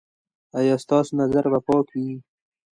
ایا ستاسو نظر به پاک وي؟